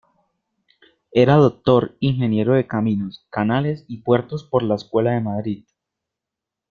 Era doctor ingeniero de Caminos, Canales y Puertos por la Escuela de Madrid.